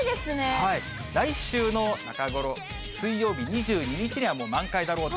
来週の中頃、水曜日２２日には、もう満開だろうと。